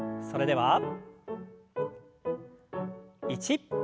それでは１。